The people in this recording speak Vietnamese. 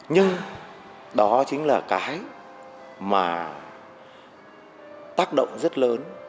nhưng đó chính là cái mà tác động rất lớn